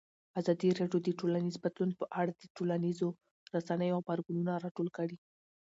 ازادي راډیو د ټولنیز بدلون په اړه د ټولنیزو رسنیو غبرګونونه راټول کړي.